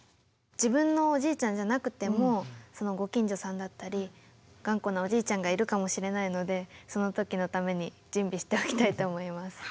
自分のおじいちゃんじゃなくてもご近所さんだったり頑固なおじいちゃんがいるかもしれないのでその時のために準備しておきたいと思います。